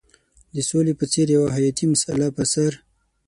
د سولې په څېر یوه حیاتي مسله پر سر.